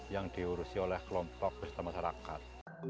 yang diurusi oleh kelompok bisnis dan masyarakat